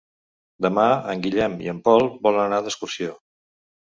Demà en Guillem i en Pol volen anar d'excursió.